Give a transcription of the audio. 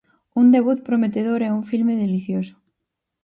Un debut prometedor e un filme delicioso.